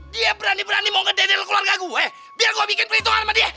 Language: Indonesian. dia berani berani mau ngedel keluarga gue biar gue bikin perhitungan sama dia